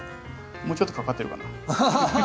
もうちょっとかかってるかな？